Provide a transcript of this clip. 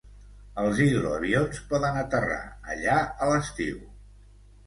Els hidroavions poden aterrar allà a l'estiu.